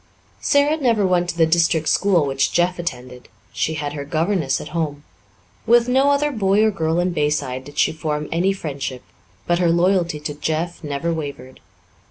Sara never went to the district school which Jeff attended; she had her governess at home. With no other boy or girl in Bayside did she form any friendship, but her loyalty to Jeff never wavered.